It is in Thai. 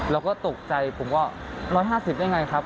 เราก็ตกใจผมก็๑๕๐ได้ไงครับ